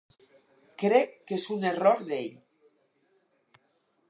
Crec que és un error d’ell.